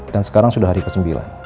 dan sekarang sudah hari ke sembilan